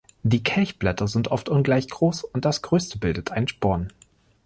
Die Kelchblätter sind oft ungleich groß und das größte bildet einen Sporn.